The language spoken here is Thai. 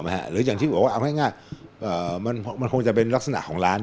หรืออย่างที่บอกว่าเอาง่ายมันคงจะเป็นลักษณะของร้าน